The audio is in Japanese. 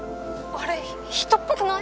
「あれ人っぽくない？」